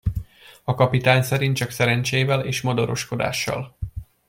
A kapitány szerint csak szerencsével és modoroskodással.